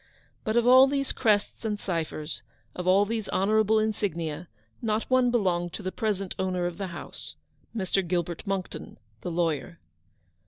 But of all these crests and ciphers, of all these honourable insignia, not one belonged to the present owner of the house — Mr. Gilbert Monckton, the lawyer.